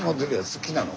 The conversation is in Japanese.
好きなの？